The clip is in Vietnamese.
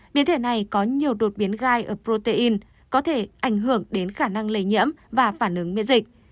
biến thể này có nhiều đột biến gai ở protein có thể ảnh hưởng đến khả năng lây nhiễm và phản ứng miễn dịch